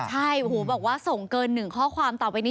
ใช่บอกว่าส่งเกินหนึ่งข้อความต่อไปนี้